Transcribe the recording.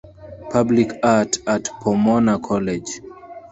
Public art at Pomona College